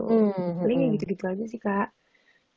paling yang gitu gitu aja sih kak